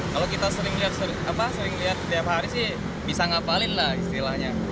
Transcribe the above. kalau kita sering lihat setiap hari sih bisa ngapalin lah istilahnya